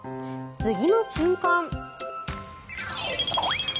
次の瞬間。